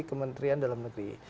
kementerian dalam negeri